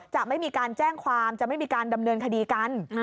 จะไม่มีการแจ้งความจะไม่มีการดำเนินคดีกัน